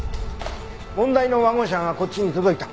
問題のワゴン車がこっちに届いた。